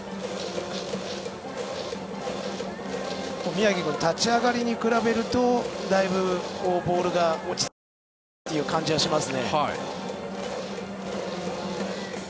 宮城君立ち上がりに比べるとだいぶ、ボールが落ち着いてきたかなという感じはします。